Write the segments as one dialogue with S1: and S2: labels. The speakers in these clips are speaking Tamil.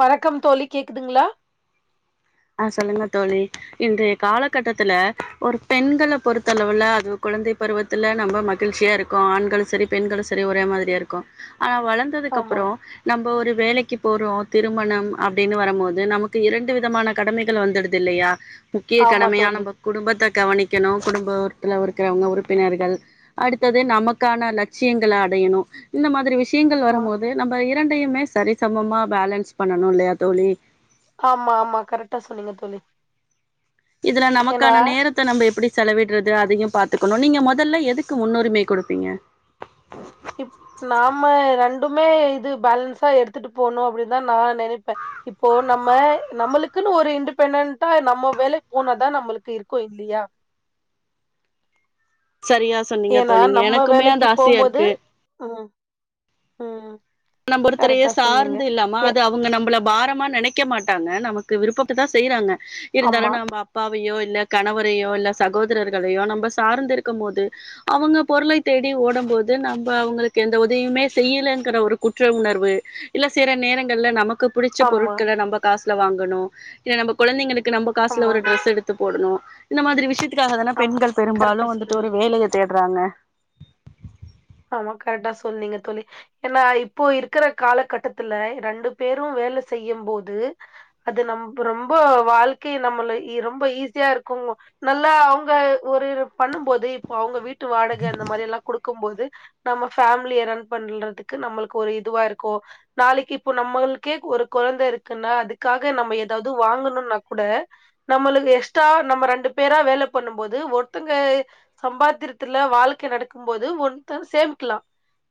S1: வணக்கம் தோழி கேக்குதுங்ளா
S2: அ சொல்லுங்க தோழி இன்றைய காலகட்டத்துல ஒரு பெண்கள பொறுத்தளவுல அது கொழந்தை பருவத்துல நம்ம மகிழ்ச்சியா இருக்கோ ஆண்களு சரி பெண்களு சரி ஒரே மாதிரியா இருக்கோ ஆனா வளந்
S1: ஆமா
S2: ததுக்கப்பறோ நம்ம ஒரு வேலைக்கி போறோ திருமணம் அப்புடின்னு வரும்மோது நமக்கு இரண்டு விதமான கடமைகள் வந்துடுது இல்லையா முக்கிய
S1: ஆமா
S2: கடமையா
S1: தோழி
S2: நம்ப குடும்பத்த கவனிக்கணு குடும்பத்துல இருக்கவங்க உறுப்பினர்கள் அடுத்தது நமக்கான லட்சியங்கள அடையணு இந்த மாதிரி விஷ் கிங்கள்
S1: ஆமா
S2: வரும்போது நம்ம இரண்டையுமே சரிசமமா பேலன்ஸ் பண்ணணு இல்லையா தோழி
S1: ஆமா ஆமா கரெட்டா சொன்னீங்க தோழி
S2: இதுல
S1: ஏன்னா
S2: நமக்கான நேரத் த நம்ப எப்புடி செலவிட்றது அதையு பாத்துக்கணு நீங்க மொதல்ல எதுக்கு முன்னுரிமை குடுப்பீங்க
S1: இப் நாம ரெண்டுமே இது பேலன்ஸா எடுத்துட்டு போனு அப்டின்னுதா நா நெனைப்பே இப்போ நம்ம நம்மளுக்குன்னு ஒரு இன்டிபெண்டன்டா நம்ம வேலக்கி போனதா நம்மளுக்கு இருக்கு இல்லியா
S2: சரியா சொன்னீங்க
S1: ஏன்னா
S2: தோழி நீங்க
S1: நம்ம
S2: எனக்குமே அந்த
S1: வேலைக்கு போம்போது
S2: ஆசையாருக்கு
S1: ம் ம்
S2: நம்ப ஒருத்தரையே
S1: கரெக்டா சொன்னீங்க
S2: சார்ந்து இல்லாம
S1: ஏ
S2: அவுங்க நம்மள பாரமா நனைக்க மாட்டாங்க நமக்கு விருப்பத்தா செய்றாங்க இருந்தாலு
S1: ஆமா
S2: நம்ப அப் பாவையோ இல்ல கணவரையோ இல்ல சகோதரர்களையோ நம்ம சார்ந்து இருக்கும்போது அவங்க பொருளை தேடி ஓடும் போது நம்ப அவுங்களுக்கு எந்த உதயுமே செய்யலங்கிற ஒரு குற்ற உணர்வு இல்ல சில நேரங்கள்ல நமக்கு புடிச்ச
S1: ஆமா
S2: பொருட்கள நம்ப காச்ல வாங்கணு இல்ல நம்ப கொழந்தைங்களுக்கு நம்ப காச்ல
S1: ஆமா
S2: ஒரு டிரெஸ் எடுத்து போடணு இந்த மாதிரி விஷயத் துக்காகதான
S1: ஆமா
S2: பெண்கள்
S1: கரெக்டா
S2: பெரும்பாலு வந்துட்டு
S1: சொன்னீங்க
S2: ஒரு வேலைய தேட்றாங்க
S1: ஆமா கரெக்டா சொன்னீங்க தோழி ஏனா இப்போ இருக்கிற காலகட்டத்துல ரெண்டு பேரும் வேல செய்யும் போது அது நம் ரொம்போ வாழ்க்கை நம்மள ரொம்ப ஈஸியா இருக்கு நல்லா அவங்க ஒரு பண்ணும்போது இப்ப அவங்க வீட்டு வாடக அந்த மாரி எல்லா குடுக்கும் போது நம்ம ஃபேமிலிய ரன் பண்றதுக்கு நம்ளுக்கு ஒரு இதுவா இருக்கு நாளைக் இப்ப நம்ளுக்கே ஒரு கொழந்த இருக்குன்னா அதுக்காக நம்ம ஏதாது வாங்கணுன்னா கூட நம்மளுக்கு எக்ஸ்ட்ரா நம்ம ரெண்டு பேரா வேல பண்ணும் போது ஒருத்தங்க சம்பாத்திரத்துல வாழ்க்கை நடக்கும் போது ஒருத்தர் சேமிக்கலா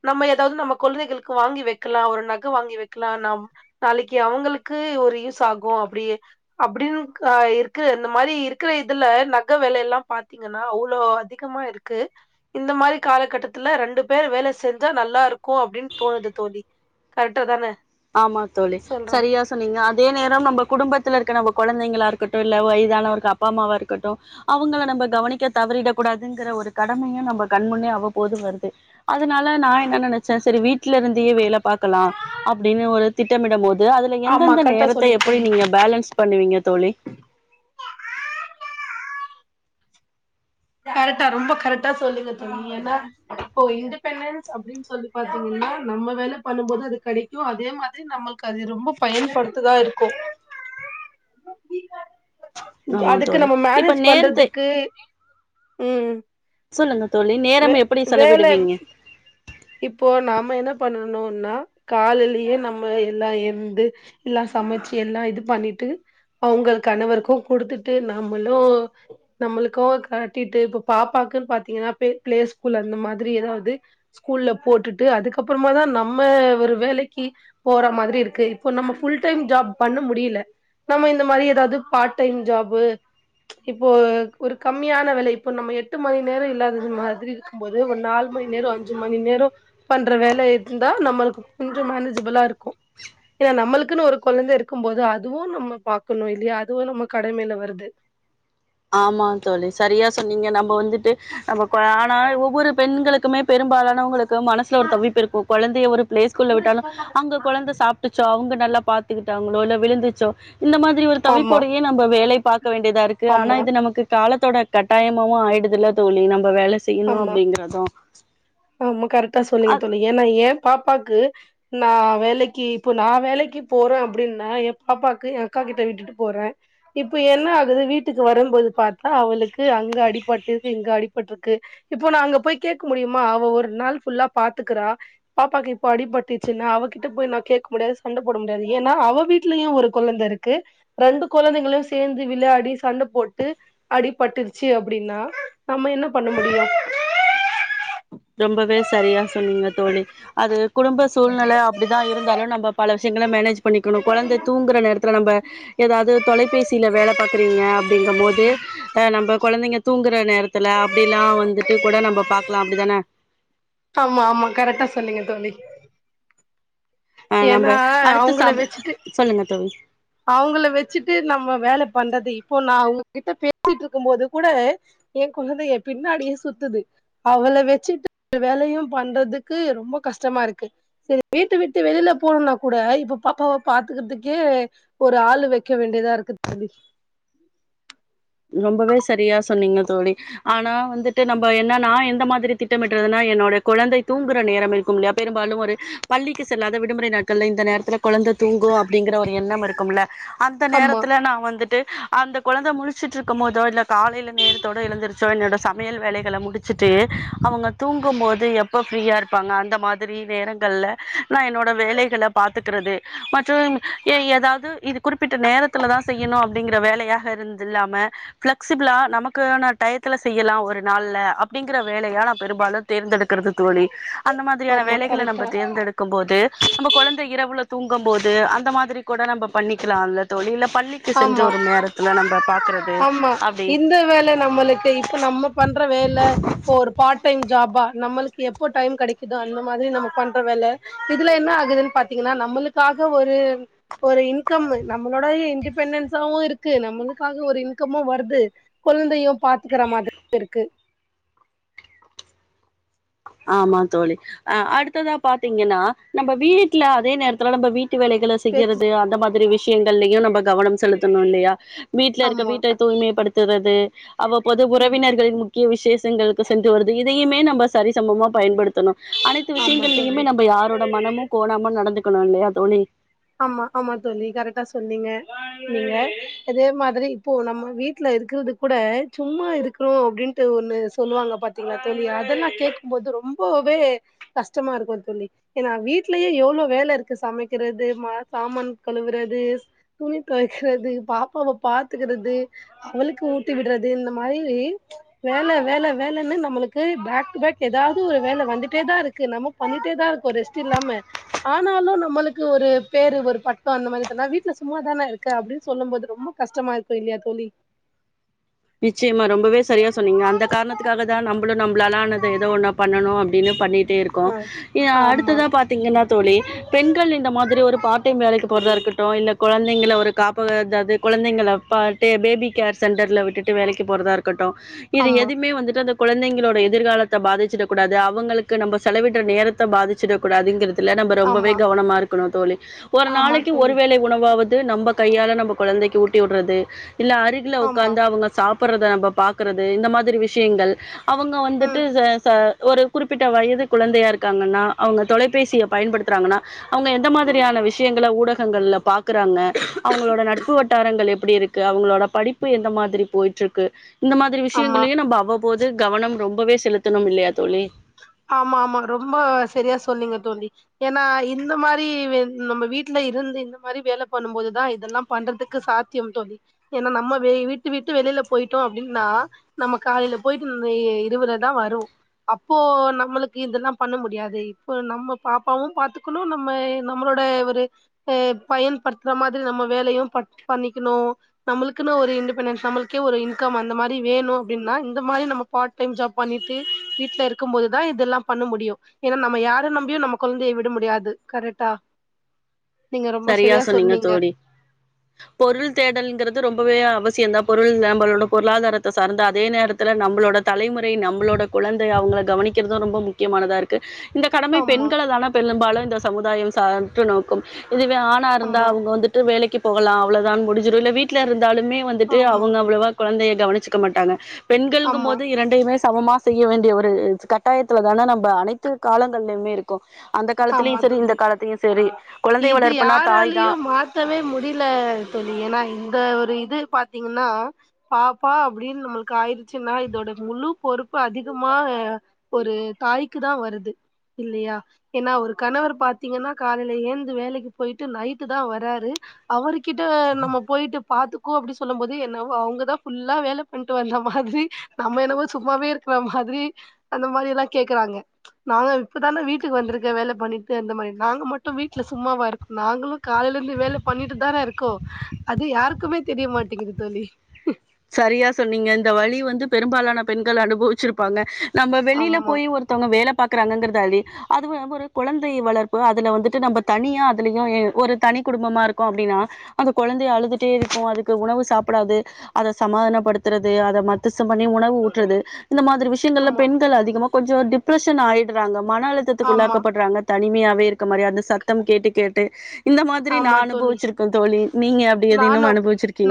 S1: நம்ம ஏதாது நம்ம கொளுந்தைகளுக்கு வாங்கி வக்கலா ஒரு நக வாங்கி வக்கலா நம் நாளைக்கி அவுங்களுக்கு ஒரு யூஸ் ஆகும் அப்டியே அப்டின் க இருக்கு இந்த மாரி இருக்கற இதுல நக வெலையலா பாத்தீங்கன்னா அவ்ளோ அதிக் க்கமாருக்கு இந்த மாரி காலகட்டத் த்துல ரெண்டு பேர் வேல செஞ்சா நல்லா இருக்கு அப்டின் தோணுது தோழி கரெக்டா தான
S2: ஆமா தோழி சரியா சொ சொன்னீங்க அதே நேரம் நம்ம குடும்பத்துல இருக்க நம்ம கொழந்தைங்களா இருக்கட்டு இல்ல வயதானவர்கு அப்பா அம்மாவா இருக்கட்டு அவங்கள நம்ம கவனிக்க தவறிட கூடாதுங்கிற ஒரு கடமையு நம்ம கண்முன்னே அவ்வப்போது வருது அதனால நா என்ன நனச்ச சரி வீட்டுல இருந்தே வேல பாக்கலா அப்டின்னு ஒரு திட்டமிட போது அதுல
S1: ஆமா
S2: எந்தெந்த
S1: கரெக்டா
S2: நேரத்த
S1: சொல்லுங்க
S2: எப்டி
S1: தோழி
S2: நீங்க பேலன்ஸ் பண்ணுவீங்க தோழி
S1: கரெடா ரொம்ப கரெடா சொல்லுங்க தோழி ஏனா இப்போ இன்டிபெண்டன்ஸ் அப்டின் சொல்லி பாத்தீங்கன்னா நம்ம வேலை பண்ணும் போது அது கடைக்கு அதே மாதிரி நம்மளுக்கு அது ரொம்ப பயன்படுத்துதா இருக்கு
S2: ஆமா
S1: அதுக்கு
S2: தோழி.
S1: நம்ம
S2: இப்ப
S1: மேனேஜ்
S2: நேரத்தை
S1: பண்றதுக்கு ம்
S2: சொல்லுங்க தோழி
S1: வே
S2: நேரம் எப்டி
S1: வேல
S2: செலவிடுவீங்க
S1: இப்போ நாம என்ன பண்ணணுனா காலிலயே நம்ம எல்லா எந்து எல்லா சமச்சி எல்லா இது பண்ணிட்டு அவங்கள் கணவருக்கு குடுத்துட்டு நாமளு நம்மளுக்கே கட்டிட்டு இப்ப பாப்பாக்குன்னு பாத்தீங்கன்னா பிளே ஸ்கூல் அந்த மாதிரி ஏதாவது ஸ்கூல்ல போட்டுட்டு அதுக்கப்புறமா தா நம்ம ஒரு வேலைக்கி போற மாதிரி இருக்கு இப்போ நம்ம ஃபுல் டைம் ஜாப் பண்ண முடியல நம்ம இந்த மாரி ஏதாது பார்ட் டைம் ஜாபு இப்போ ஒரு கம்மியான வேல இப்போ நம்ம எட்டு மணி நேரோ இல்லாதது மாதிரி போது ஒரு நால் மணி நேர வந்து ஐஞ்சு மணி நேர பண்ற வேல இருந்தா நம்ளுக்கு கொஞ்ச மேனேஜபிளா இருக்கு ஏனா நம்ளுக்குன் ஒரு கொழந்த இருக்கு போது அதுவு நம்ம பாக்கணு இல்லையா அதுவு நம்ம கடமைல வருது
S2: ஆமா தோழி சரியா சொன்னீங்க நம்ம வந்துட்டு நம்ம கொழ ஆனா ஒவ்வொரு பெண்களுக்குமே பெரும்பாலானவுங்களுக்கு மனசுல ஒரு தவிப்பு இருக்கு கொழந்தைய ஒரு பிளேகூல்ல விட்டாலு அங்க கொழந்த சாப் டுச்சோ அவங்க நல்லா பாத்துக்கிட்டாங்ளோ இல்ல விழுந்துச்சோ இந்த மாதிரி ஒரு
S1: ஆமா
S2: தவிப்போடயே நம் இப்ப வேவை பாக்க வேண்டியதா இருக்கு ஆனா
S1: ஆமா
S2: இது நமக்கு காலத்தோட கட்டாயமாவு ஆயிடுதுதில்ல தோழி நம்ம வேலச் செய்ணு
S1: ஆமா
S2: அப்டிங்கறதா
S1: ஆமா கரெக்டா சொல்லீங்க தோழி ஏனா ஏ பாப்பாக்கு நா வேலைக்கி இப்போ நா வேலைக்கி போறன்னா அப்டின்னா ஏ பாப்பாக்கு ஏ அக்கா கிட்ட விட்டுட் விட்டு போற இப்ப என்ன ஆகுது வீட்டுக்கு வரும்போது பாத் பாத்தா அவுளுக்கு அங்க அடிபட்ருக்கு இங்க அடிபட்ருக்கு க்குஇப்போ நா அங்க போய் கேக் முடியுமா அவ ஒரு நாள் ஃபுல்லா பாத்துக்குறா பாப்பாக்கு இப்ப அடி பட்டுச்சின்னா அவகிட்ட போய் நா கேட்க முடியாது சண்ட போட முடியாது ஏன்னா அவ வீட்டுலயு ஒரு கொழந்த இருக்கு ரெண்டு கொழந்தைங்களு சேர்ந்து விளையாடி சண்ட போட்டு அடிபட்டுச்சி அப்டின்னா நம்ம என்னா பண்ண முடியு
S2: ரொம்பவே சரியா சொன்னீங்க தோழி அது குடும்ப சூழ்நில அப் அப்டிதா இருந்தாலு நம்ம பல விஷயங்கள மேனேஜ் பண்ணிக்கணு கொழந்த தூங்குற நேரத்ல நம்ப எதாது தொலைபேசில வேல பாக்குறீங்க அப்டிங்க போது ஆ நம்ப கொழந்தைங்க தூங்குற நேரத்துல அப்டில்லா வந்துட்டு கூட நம்ப பாக்லா அப்டிதானே
S1: ஆமா ஆமா கரெக்டா சொன்னீங்க தோழி
S2: அ
S1: ஏன்னா
S2: நம்ப அடுத்த சம சொல்லுங்க தோழி
S1: அவ்ங்கள வச்சுட்டு நம்ம வேல பண்றது இப்போ நா உங்ககிட்ட பேசிட்டு இருக்கும் போது கூட ஏ கொழந்த ஏ பின்னாடியே சுத்துது அவள வச்சுட்டு வேலயு பண்றதுக்கு ரொம்ப கஷ்டமா இருக்கு சரி வீட்ட விட்டு வெளில போனூனா கூட இப்ப பாப்பாவ பாத்துக்கிறதுக்கே ஒரு ஆளு வெக்க வேண்டியதா இருக்கு தோழி
S2: ரொம்பவே சரியா சொன்னீங்க தோழி ஆனா வந்துட்டு நம்ப என்னனா நா எந்த மாதிரி திட்டமிறதுன்னா என்னோட குழந்தை தூங்குற நேரம் இருக்குமில்லையா பெரும்பாலும் ஒரு பள்ளிக்கு செல்லாத விடுமுறை நாட்கள்ள இந்த நேரத்தில கொழந்த தூங்கு அப்டிங்கிற ஒரு எண்ணம் இரு குமுல அந்த
S1: ஆமா
S2: நேரத்துல நா வந்துட்டு அந்த கொழந்த முழுச் சிட்டு இருக்கும் போதோ இல்ல காலேயில நேரத்தோட எழுந்திருச்சோ என்னோடய சமையல் வேலைகள முடிச்சிட்டு அவ்ங்க தூங்கும் போது எப்போ ஃப்ரீயா இருப்பாங்க அந்த மாதிரி நேரங்கள்ல நா என்னோட வேலைகள பாத்துக்கிறது மற்று எதாவ்து இது குறிப்பிட்ட நேரத்தில தா செய்யணு அப்டிங்கிற வேலையாக இருந் தில்லாம பிளெக்சிபிளா நமக்கான டயத்துல செய்யலா ஒரு நாள்ல அப்டிங்கற வேலையா நா பெரும்பாலு தேர்ந்தெடுக்கிறது தோழி அந்த மாதிரியான
S1: ஆமா
S2: வேலைகள
S1: கரெக்டா
S2: நம்ப தேர்ந்தெடுத் க்கும் போது நம்ப கொழந்த இரவுல தூங்கும் போது அந்த மாதிரி கூட நம்ம பண்ணிக்கலால தோழி இல்ல பள்ளிக் சென்று
S1: ஆமா
S2: வரும் நேரத்துல நம்ப
S1: ஆமா இந்த வேல நம்மளுக்கு இப்ப நம்ம பண்ற வேல போர் பார்ட் டைம் ஜாபா நம்மளுக்கு எப்போ டைம் கெடைக்குதோ அந்த மாதிரி நம்ம பண்ற வேல இதுல என்ன ஆகுதுன் பாத்தீங்கன்னா நம்மளுக்காக ஒரு ஒரு இன்கம் நம்மளோடைய இன்டி பென்டன்ஸாவு இருக்கு நம்மளுக்காக ஒரு இன்கமு வர்து கொழ்ந்தயு பாத்துக்ற மாதிரி இருக்கு
S2: ஆமா தோழி ஆ அடுத்ததா பாத்தீங்கன்னா நம்ம வீட்ல அதே நேரத்துல நம்ம வீட்டு வேலைகள
S1: பேச்சு
S2: செய்யறது அந்த மாதிரி விஷயங்கள்லயு நம்ப கவனோ செலுத்தணு இல்லியா வீட்டுல இருக்க
S1: ஆமா
S2: வீட்ட தூய்மைப்படுத்துறது அவ்வப்போது
S1: ம்
S2: உறவினர்கள் முக்கிய விசேஷங்களுக்கு சென்று வருது இதயுமே நம்ப சரிசமமா பயன்படுத்தணு அனைத்து
S1: ஆமா
S2: விஷயங்கள்லயுமே நம்ம யாரோட்
S1: தோழி
S2: மனமு கோணாம நடந்துக்கணு இல்லியா தோழி
S1: ஆமா ஆமா தோழி கரெட்டா சொன்னீங்க நீங்க இதே மாதிரி இப்போ நம்ம வீட்டுல இருக்கிறதுக் கூட சும்மா இருக்ரோ அப்டின்ட்டு ஒன்னு சொல்லுவாங்க பாத்தீங்ளா தோழி அதெல்லா கேட் போது ரொம்பவே கஷ்டமா இருக்கு தோழி ஏன்னா வீட்லயே எவ்ளோ வேல இருக்கு சமைக்கிறது சாமான் கழுவுறது துணி தொவைக்கிறது பாப்பாவ பாத்துக்கிறது அவளுக்கு ஊட்டி விட்றது இந்த மாரி வேல வேல வேலன்னு நம்மளுக்கு பேக் டு பேக் எதாது ஒரு வேல வந்துட்டே தா இருக் நம்ம பண்ணிட்டே தா இருக்கோ ரெஸ்ட் இல்லாம ஆனாலு நம்மளுக் ஒரு பேரு ஒரு பட்டோ அந்த மாரி தந்தா வீட்டுல சும்மா தானே இருக்க அப்டின்னு சொல்லும்போது ரொம்ப கஷ்டமா இருக்கு இல்லியா தோழி
S2: நிச்சயமா ரொம்பவே சரியா சொன்னீங்க அந்த காரணத்துக்காக தா நம்பளு நம்ளாலானது எதோ ஒண்ண பண்ணனு அப்டின்னு பண்ணிட்டே இருக் கோ
S1: ஆ
S2: இ
S1: ஆமா
S2: அடுத்ததா பாத் திங்கன்னா தோழி பெண்கள் இந்த மாதிரி ஒரு பார்ட்டைம் வேலைக்கு போறதா இருக்கட்டு இல்ல கொழந்தைங்கள ஒரு காப் அதாது கொழந்தைங்கள பாட்டு பேபி கேர் சென்டர்ல விட்டுட்டு வேலைக்கு போறதா இருக் கட்டு இது
S1: ஆமா
S2: எதுயுமே வந்துட்டு அந்த கொழந்தைங்களோட எதிர்காலத்த பாதிச்சிடக் கூடாது அவுங்களுக்கு நம்ம செலவிடுற நேரத்த பாதிச்சிடக் கூடாதுங்கிறது நம்ப ரொம்பவே
S1: ஆமா
S2: கவனமா இருக்கணு தோழி ஒரு
S1: ஆமா
S2: நாளைக்கு ஒரு
S1: தோழி
S2: வேளை உணவாவது நம்ப கையால நம்ப கொழந்தைக்கு ஊட்டி வுட்றது இல்ல அருகில
S1: ஆமா
S2: உட்காந்து அவுங்க சாப்ர்றத நம்ம பாக்கறது இந்த மாதிரி விஷயங்கள் அவுங்க வந்துட்டு
S1: ம்
S2: ச ச ஒரு குறிப்பிட்ட வயது குழந்தையா இருக்காங்கன்னா அவ்ங்க தொலைபேசிய பயன்படுத்துறாங்கன்னா அவங்க எந்த மாதிரியான விஷயங்கள்ல ஊடகங்கள்ல பாக்குறாங்க அவுங்களோட நட்பு வட்டாரங்கள் எப்படி இருக்கு அவுங்களோட படிப்பு எந்த மாதிரி போயிட்ருக்கு இந்த மாதிரி
S1: ஆமா
S2: விஷயங்களையும் நம்ம அவ்வப்போது கவனம் ரொம்பவே செலுத்தணும் இல்லையா தோழி
S1: ஆமாமா ரொம்ப சரியா சொன்னீங்க தோழி எனா இந்த மாரி வெ நம்ம வீட்ல இருந்து இந்த மாரி வேல பண்ணும் போதுதா இதெல்லாம் பண்றதுக்கு சாத்தியம் தோழி ஏன்னா நம்ம வெ வீட்ட விட்டு வெளில போயிட்டோ அப்டின்னா நம்ம காலேல போய்ட்டு இ இருவுலதா வரும் அப்போ நம்மளுக்கு இதெல்லா பண்ண முடியாது இப்போ நம்ம பாப்பாவு பாத்துக்கணு நம்ம நம்மளோட ஒரு அ பயன்படுத்துற மாதிரி நம்ம வேலையு ப பண்ணிக்கணு நம்மளுக்குன்னு ஒரு இண்டிபெண்டன்ஸ் நம்ளுக்கே ஒரு இன்கம் அந்த மாரி வேணு அப்டின்னா இந்த மாரி நம பார்ட் டைம் ஜாப் பண்ணிட்டு வீட்ல இருக்கும்போதுதா தா இதெல்லா பண்ண முடியு ஏன்னா நம்ம யார நம்பியு நம்ம கொழந்தய விட முடியாது கரெட்டா. நீங்க ரொம்ப
S2: சரியா
S1: செரியா சொன்னீங்க
S2: தோழி பொருள் தேடல்ங்கிறது ரொம்பவே அவசியந்தா பொருள் நம்பலோட பொருளாதாரத்த சார்ந்த அதே நேரத் த்துல நம்பளோட தலைமுறை நம்பளோட குழந்தையா அவுங்கள கவனிக்கிறதும் ரொம்ப முக் முக்கியமானதா இருக்கு இந்த கடமை
S1: ஆமா
S2: பெண்கள தான பெலும்பாலு இந்த சமுதாயம் சாற்று நோக்கும் இதுவே ஆணா இருந்தா
S1: ஆமா
S2: அவுங்க வந்துட்டு வேலைக்கு போகலா அவ்ளோதான் முடிஞ்சிரு இல்ல வீட்ல இருந்தாலுமே வந் துட்டு
S1: ஆமா
S2: அவ்ங்க அவ்ளவா கொழந்தைய கவ்னுச்சுக்க மாட்டாங்க
S1: ஆமா
S2: பெண்கள்ங்கும்மோது இரண்டைமே செ சமமா செய்ய வேண்டிய ஒரு கட்டாயத்துல தான நம்ப அனைத்து காலங்கள்லயுமே இருக் கோ அந்த
S1: ஆமா
S2: காலத்திலியு செரி
S1: தோழி
S2: இந்த காலத்தியு செரி கொழ
S1: இது யாராலயும் மாத்தவே முடில தோழி எனா இந்த ஒரு இது பாத்தீங்கன்னா பாப்பா அப்டின்னு நம்முளுக்கு ஆயிருச்சுன்னா இதோட முலூ பொறுப்பு அதிகமா ஆ ஒரு தாய்க்கு தா வருது இல்லயா. எனா ஒரு கணவரு பாத்தீங்கன்னா காலெல ஏந்து வேலெக்கி போய்ட்டு நைட்டு தா வராரு அவருகிட்ட நம்ம போயிட்டு பாத்துப் க்கு அப்டி சொல்லும் போது என்ன வோ அவுங்கதா ஃபுல்லா வேல பண்ட்டு வந்த மாதிரி நம்ம என்னவோ சும்மாவே இருக்கிற மாதிரி அந்த மாரில்லா கேக்கறாங்க நாங்க இப்பதான வீட் வீட்டுக்கு வந்திருக்க வேல பண்ணிட்டு அந்த மாரி நாங்க மட்டு வீட்ல சும்மாவா இருக்கோ நாங்களு காலேல இருந்து வேல பண்ணிட்டு தான இருக்கோ அது யாருக்குமே தெரியமாட்டிங்கிது தோழி
S2: சரியா சொன்னீங்க இந்த வலி வந்து பெரும்பாலான பெண்கள் அனுபவிச்சிருப்பாங்க நம்ப வெளில
S1: ஆமா
S2: போய் ஒரு த்தவ்ங்க வேல பாக்கறாங்கங்கிறதாலயே அது வ ஒரு குழந்தை வளர்ப்பு அதுல வந்துட்டு நம்ப தனியா அதுலயு எ ஒரு தனி குடும்பமா இருக்கோ அப்டின்னா அந்த கொழந்தைய அழுதுட்டே இருக்கு அதுக்கு உணவு சாப்புடாது அத சமாதானப்படுத்துறது அத மத்தசம் பண்ணி உணவு ஊட்றது இந்த மாதிரி விஷயங்கள்ல
S1: ஆமா
S2: பெண்கள் அதிகமா கொஞ்சோ டிப்ரஷன் ஆயிட்றாங்க மன
S1: ஆமா
S2: அழுத்தத்துக்குள்ளாக்கப்பட்றாங்க தனிமையாவே இருக்க மாரி அந்த சத்தம் கேட்டு கேட்டு இந்த மாதிரி நா
S1: ஆமா தோழி
S2: அனுபவிச்சிருக்கே தோழி நீங்க அ
S1: நானு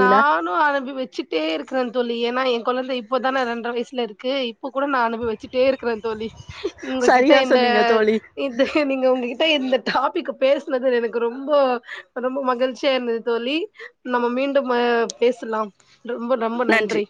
S1: நானு அலம்பி வச்சிக் கிட்டே இருக்கிறே தோழி ஏன்னா என் கொழந்த இப்போதான ரெண்ர வயசுல இருக்கு இப்போ கூட நா அனுபிவிச்சுட்டே இருக்கற தோழி உங்ககிட்ட
S2: சரியா
S1: இந்த
S2: சொன்னீங்க தோழி
S1: இது நீங்க உங்ககிட்ட இந்த டாபிக்க பேசுனது எனக்கு ரொம்போ ரொம்ப மகிழ்ச்சியா இருந்தது தோழி நம்ம மீண்டும் அ பேசுலாம் ரொம்ப ரொம்ப நன்றி